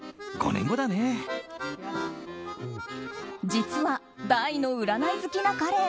実は、大の占い好きな彼。